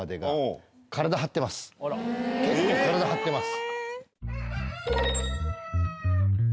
結構体張ってます